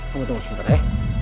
kamu tunggu sebentar ya